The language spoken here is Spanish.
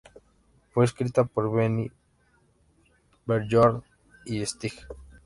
Fue escrita por Benny, Björn y Stig.